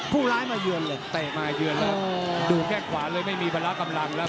ผู้ร้ายมาเยือนเลยเตะมาเยือนเลยดูแค่งขวาเลยไม่มีพละกำลังแล้ว